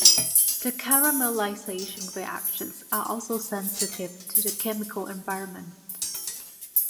The caramelization reactions are also sensitive to the chemical environment.